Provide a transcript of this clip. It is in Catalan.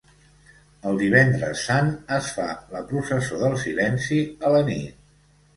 El Divendres Sant es fa la Processó del Silenci a la nit.